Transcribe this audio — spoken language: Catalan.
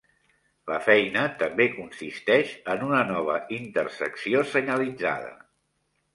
La feina també consisteix en una nova intersecció senyalitzada.